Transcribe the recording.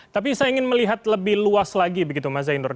tapi saya ingin melihat lebih luas lagi begitu mas zainur